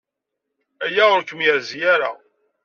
Aya ur kem-yerzi ara.